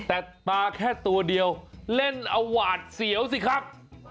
แต่มาแค่ตัวเดียวเล่นเอาหวาดเสียวสิครับ